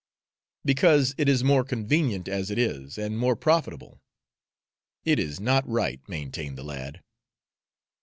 "Because it is more convenient as it is and more profitable." "It is not right," maintained the lad.